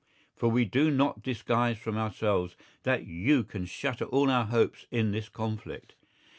For we do not disguise from ourselves that you can shatter all our hopes in this conflict.